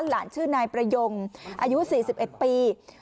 หลานชื่อนายประยงอายุ๔๑ปี